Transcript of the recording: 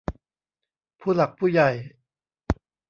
ผู้หลักผู้ใหญ่